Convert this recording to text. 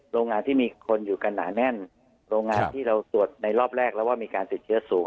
โรงงานที่มีคนอยู่กันหนาแน่นโรงงานที่เราตรวจในรอบแรกแล้วว่ามีการติดเชื้อสูง